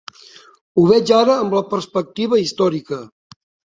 Ho veig ara amb la perspectiva històrica.